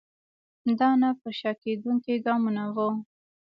دا نه پر شا کېدونکي ګامونه وو.